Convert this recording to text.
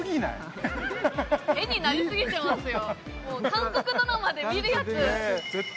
絵になりすぎてますよ